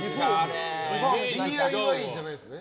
ＤＩＹじゃないですね。